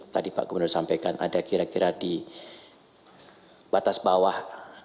tadi pak gubernur sampaikan ada kira kira di batas bawah